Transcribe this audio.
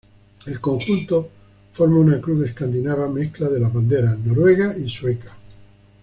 El conjunto forma una cruz escandinava mezcla de las banderas noruega y sueca.